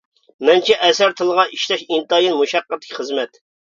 مەنچە ئەسەر تىلىغا ئىشلەش ئىنتايىن مۇشەققەتلىك خىزمەت.